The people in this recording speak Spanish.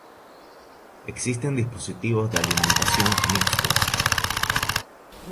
Existen dispositivos de alimentación mixtos.